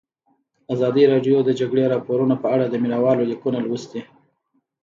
ازادي راډیو د د جګړې راپورونه په اړه د مینه والو لیکونه لوستي.